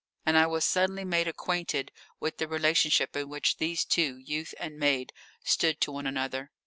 And I was suddenly made acquainted with the relationship in which these two, youth and maid, stood to one another.